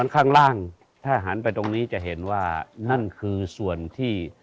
ข้างล่างถ้าหันไปตรงนี้จะเห็นว่านั่นคือส่วนที่